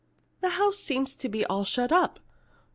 The house seems to be all shut up."